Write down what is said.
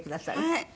はい。